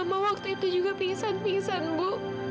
mama waktu itu juga pingsan pingsan bu